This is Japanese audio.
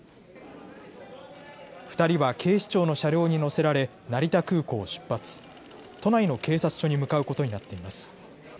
２人は警視庁の車両に乗せられ成田空港を出発、都内の警察署に向かうことになっています。